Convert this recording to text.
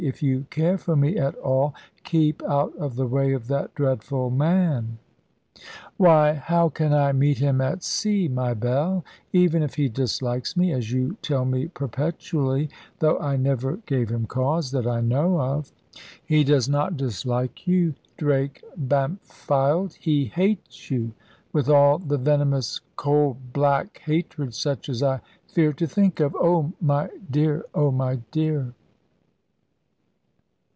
If you care for me at all, keep out of the way of that dreadful man." "Why, how can I meet him at sea, my Bell? Even if he dislikes me, as you tell me perpetually, though I never gave him cause, that I know of." "He does not dislike you, Drake Bampfylde; he hates you with all the venomous, cold, black hatred, such as I fear to think of oh my dear, oh my dear!"